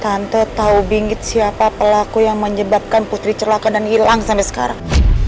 tante tahu binggit siapa pelaku yang menyebabkan putri celaka dan hilang sampai sekarang